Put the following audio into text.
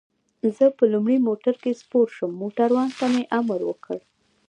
زه په لومړي موټر کې سپور شوم، موټروان ته مې امر وکړ.